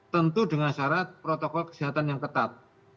tentu dengan syarat protokol kesehatan yang ketat